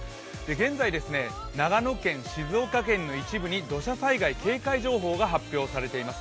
現在長野県、静岡県の一部に土砂災害警戒情報が発表されています。